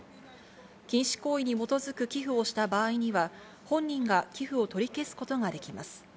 禁止行為に基づく寄付をした場合には、本人が寄付を取り消すことができます。